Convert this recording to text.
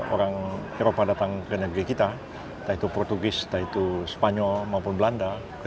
orang generasi dulu kita itu orientasinya lebih ke